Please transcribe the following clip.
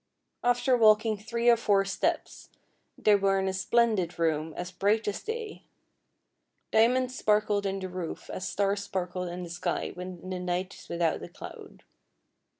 After walking three or four steps they were in a splendid room, as bright as day. Diamonds sparkled in the roof as stars sparkle in the sky when the night is without a cloud.